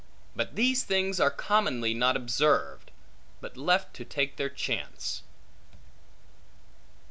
But these things are commonly not observed, but left to take their chance.